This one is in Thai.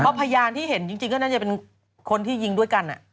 เพราะพยานที่เห็นจริงก็น่าจะเป็นคนที่ยิงด้วยกัน